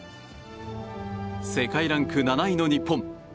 世界ランク７位の日本。